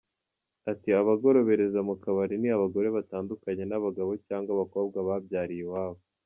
Ati “ Abagorobereza mu kabari ni abagore batandukanye n’ abagabo cyangwa abakobwa babyariye iwabo.